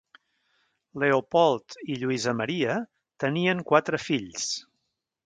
Leopold i Lluïsa-Maria tenien quatre fills.